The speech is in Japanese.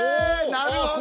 なるほど！